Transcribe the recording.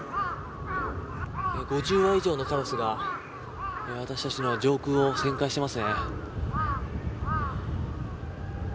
５０羽以上のカラスが私たちの上空を旋回していますね。